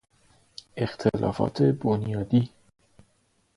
اختلافات بنیادی